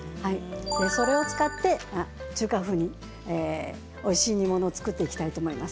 それを使って中華風においしい煮物を作っていきたいと思います。